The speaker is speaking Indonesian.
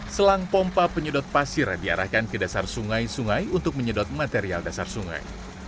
selang pompa penyedot pasir diarahkan ke dasar sungai sungai untuk menyedot material dasar sungai